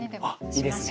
いいですね。